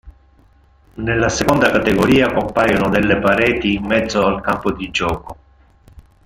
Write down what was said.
Nella seconda categoria compaiono delle pareti in mezzo al campo di gioco.